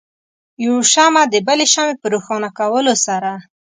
یو شمع د بلې شمعې په روښانه کولو سره.